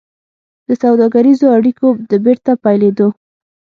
د سوداګريزو اړيکو د بېرته پيلېدو